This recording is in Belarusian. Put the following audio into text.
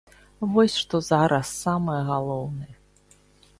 Вось што зараз самае галоўнае.